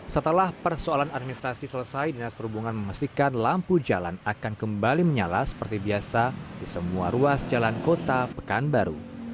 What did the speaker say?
setelah persoalan administrasi selesai dinas perhubungan memastikan lampu jalan akan kembali menyala seperti biasa di semua ruas jalan kota pekanbaru